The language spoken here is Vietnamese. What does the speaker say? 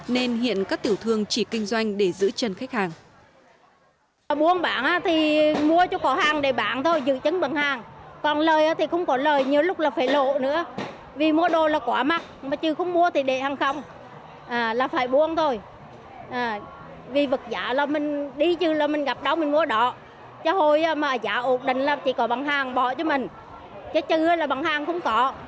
nên hiện các tiểu thương chỉ kinh doanh để giữ chân khách hàng